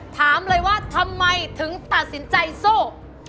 ถามเลยว่าทำไมถึงตัดสินใจสู้